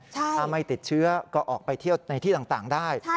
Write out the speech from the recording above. ถ้าไม่ติดเชื้อก็ออกไปเที่ยวในที่ต่างได้